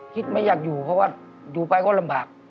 คิดไม่อยากอยู่เพราะว่าอยู่ไปก็ลำบาก